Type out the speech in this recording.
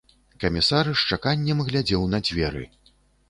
Камісар з чаканнем глядзеў на дзверы.